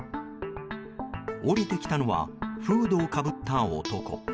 降りてきたのはフードをかぶった男。